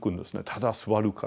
ただ座るから。